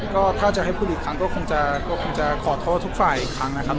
ก็ถ้าจะให้พูดอีกครั้งก็คงจะขอโทษทุกฝ่ายอีกครั้งนะครับ